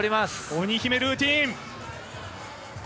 鬼姫ルーティーン。